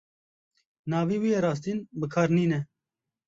Navê wî yê rastîn bi kar nîne.